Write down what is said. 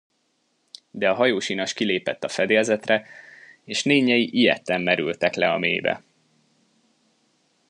De a hajósinas kilépett a fedélzetre, és nénjei ijedten merültek le a mélybe.